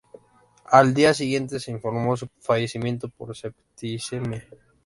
Al día siguiente se informó su fallecimiento por septicemia.